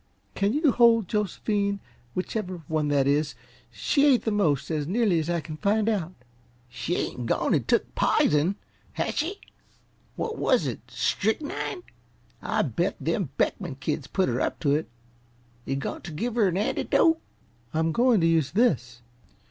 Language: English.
Can you hold Josephine whichever one that is? She ate the most, as nearly as I can find out." "She ain't gone an' took pizen, has she? What was it strychnine? I'll bet them Beckman kids put 'er up to it. Yuh goin' t' give 'er an anticdote?" "I'm going to use this."